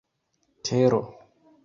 tero